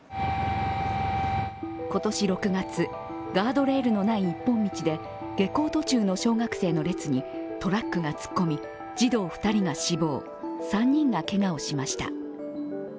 今年６月、ガードレールのない一本道で下校途中の小学生の列にトラックが突っ込み、児童２人が死亡、３人がけがをしました。